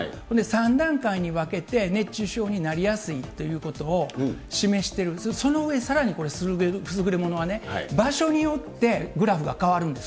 ３段階に分けて、熱中症になりやすいということを示してる、その上さらにこれ、優れものはね、場所によってグラフが変わるんです。